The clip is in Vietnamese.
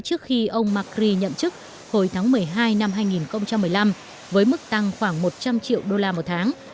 trước khi ông macri nhậm chức hồi tháng một mươi hai năm hai nghìn một mươi năm với mức tăng khoảng một trăm linh triệu đô la một tháng